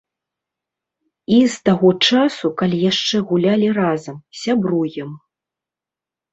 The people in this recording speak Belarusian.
І з таго часу, калі яшчэ гулялі разам, сябруем.